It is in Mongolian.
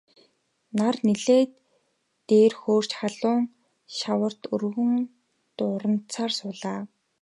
Нар нэлээд дээр хөөрч халуун шатавч өвгөн дурандсаар суулаа.